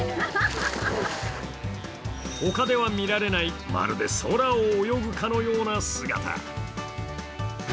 ほかでは見られないまるで空を泳ぐかのような姿。